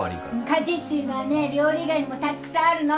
家事っていうのはね料理以外にもたっくさんあるの。